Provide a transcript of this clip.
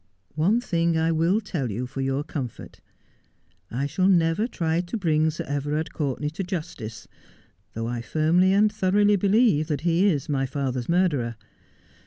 One thing I will tell you for your comfort. I shall never try to bring Sir Everard Courtenay to justice, though I firmly and thoroughly believe that he is my father's murderer.